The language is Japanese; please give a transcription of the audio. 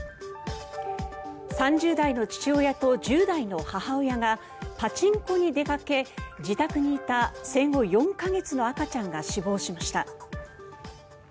３０代の父親と１０代の母親がパチンコに出かけ、自宅にいた生後４か月の赤ちゃんが死亡しました。